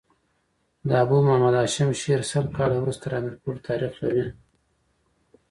د ابو محمد هاشم شعر سل کاله وروسته تر امیر کروړ تاريخ لري.